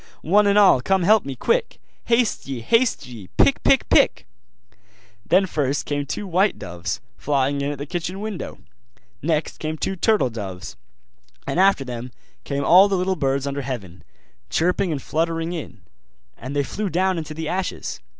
One and all come help me, quick! Haste ye, haste ye! pick, pick, pick!' Then first came two white doves, flying in at the kitchen window; next came two turtle doves; and after them came all the little birds under heaven, chirping and fluttering in: and they flew down into the ashes.